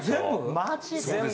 マジで？